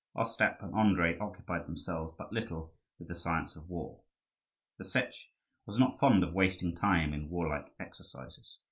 Ostap and Andrii occupied themselves but little with the science of war. The Setch was not fond of wasting time in warlike exercises.